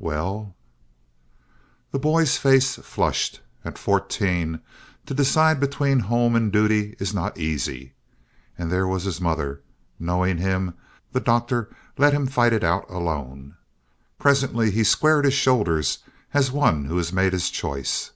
"Well " The boy's face flushed. At fourteen, to decide between home and duty is not easy. And there was his mother. Knowing him, the Doctor let him fight it out alone. Presently he squared his shoulders as one who has made his choice.